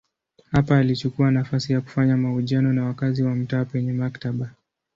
Hapa alichukua nafasi ya kufanya mahojiano na wakazi wa mtaa penye maktaba.